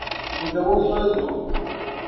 O zabi o soli zuɣu.